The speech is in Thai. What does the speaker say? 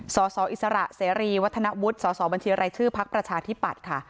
สสอิสระเสรีวัฒนวุฒิสสบัญชีรายชื่อพักประชาธิปัตย์ค่ะ